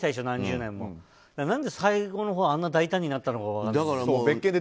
だから、最後のほう何であんな大胆になったのか。